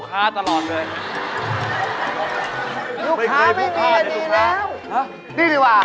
กินกุ้งอะไรนะ